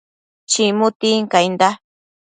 chimu tincainda